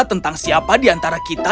tentang siapa di antara kita